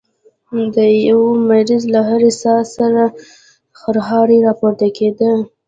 د يوه مريض له هرې ساه سره خرهار راپورته کېده.